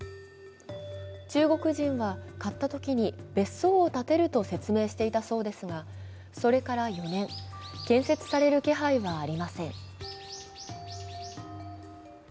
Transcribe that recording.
中国人は買ったときに、別荘を建てると説明していたそうですが、それから４年、建設される気配はありません。